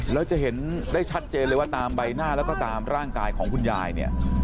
แล้วจะเห็นได้ชัดเจนเลยว่าตามใบหน้าแล้วก็ตามร่างกายของคุณยายเนี่ย